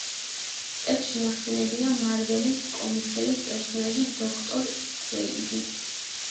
ტექსტში ნახსენებია მარველის კომიქსების პერსონაჟი დოქტორ სტრეინჯი.